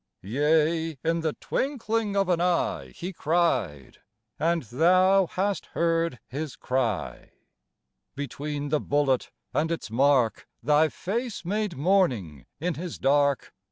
Yea, in the twinkling of an eye, He cried ; and Thou hast heard his cry. Between the bullet and its mark Thy face made morning in his dark.